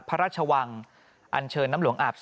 ปี๖๕วันเช่นเดียวกัน